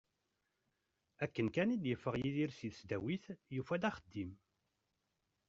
Akken kan i d-yeffeɣ Yidir si tesdawit, yufa axeddim.